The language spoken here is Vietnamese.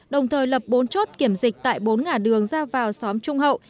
đồng thời lập bốn chốt kiểm dịch tại bốn ngã đường ra vào xóm trung hậu